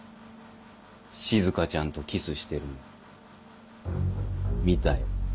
しずかちゃんとキスしてるの見たよ。